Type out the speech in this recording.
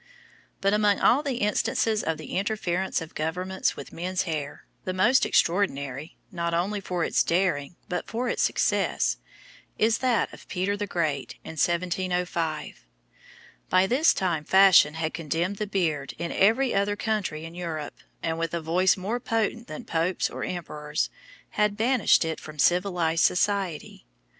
] But among all the instances of the interference of governments with men's hair, the most extraordinary, not only for its daring, but for its success, is that of Peter the Great, in 1705. By this time fashion had condemned the beard in every other country in Europe, and with a voice more potent than popes or emperors, had banished it from civilised society.